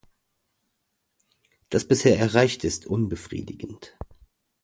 Das bisher Erreichte ist unbefriedigend.